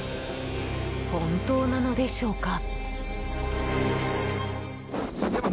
本当なのでしょうか？